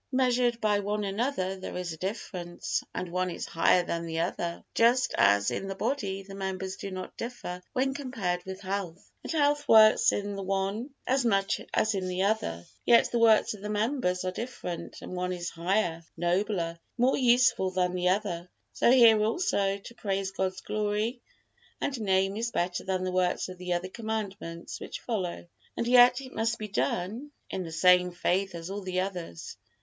Measured by one another there is a difference, and one is higher than the other. Just as in the body the members do not differ when compared with health, and health works in the one as much as in the other; yet the works of the members are different, and one is higher, nobler, more useful than the other; so, here also, to praise God's glory and Name is better than the works of the other Commandments which follow; and yet it must be done in the same faith as all the others.